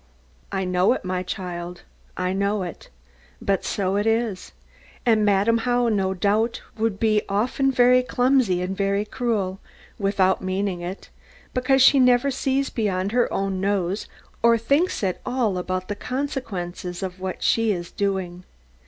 I know it, my child, I know it. But so it is. And Madam How, no doubt, would be often very clumsy and very cruel, without meaning it, because she never sees beyond her own nose, or thinks at all about the consequences of what she is doing.